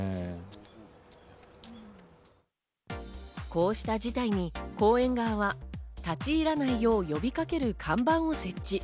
こうした事態に公園側は立ち入らないように呼びかける看板を設置。